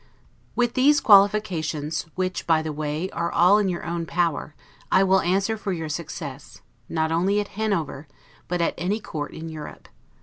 With these qualifications, which, by the way, are all in your own power, I will answer for your success, not only at Hanover, but at any court in Europe.